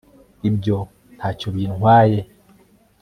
ibyo ntacyo bintwaye